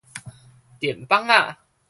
電紡仔